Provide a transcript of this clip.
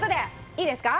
いいですか？